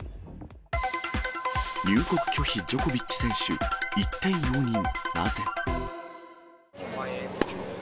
入国拒否ジョコビッチ選手、一転容認、なぜ？